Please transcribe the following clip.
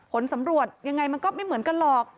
ผลสำรวจยังไงมันก็ไม่เหมือนกันหรอก